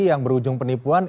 yang berujung penipuan